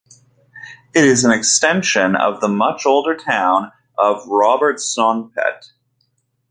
It is an extension of the much older town of Robertsonpet.